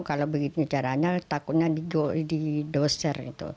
kalau begini caranya takutnya digusur